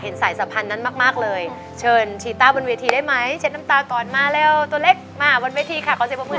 สายสัมพันธ์นั้นมากเลยเชิญชีต้าบนเวทีได้ไหมเช็ดน้ำตาก่อนมาเร็วตัวเล็กมาบนเวทีค่ะขอเสียงปรบมือ